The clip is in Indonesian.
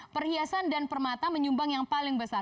perhiasan dan permata menyumbang yang paling besar